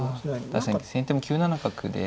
確かに先手も９七角で。